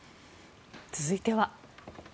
続いては。